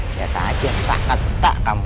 liat aja tak ketak kamu